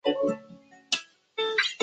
中华民国成立后去世。